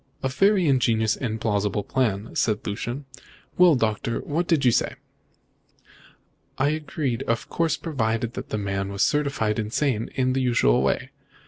"A very ingenious and plausible plan," said Lucian. "Well, Doctor, and what did you say?" "I agreed, of course, provided the man was certified insane in the usual way.